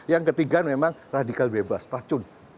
yang ketiga memang radikal bebas racun